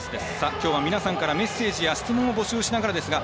きょうは皆さんからメッセージや質問を募集しながらですが。